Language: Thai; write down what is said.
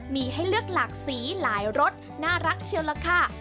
มีให้เลือกหลากสีหลายรสน่ารักเชียวล่ะค่ะ